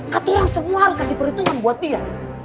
kata orang semua harus kasih perhitungan buat dia